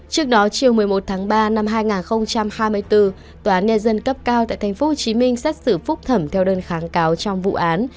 trước đó chiều một mươi một tháng ba năm hai nghìn hai mươi bốn tòa án nhân dân cấp cao tại tp hcm xét xử phúc thẩm theo đơn kháng cáo trong vụ án